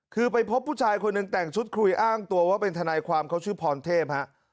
คือไปพบผู้ชายคนหนึ่งแต่งชุดคุยอ้างตัวว่าเป็นทนายความเขาชื่อพรเทพฮะ